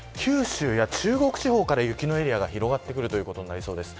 九州や中国地方から雪のエリアが広がることになりそうです。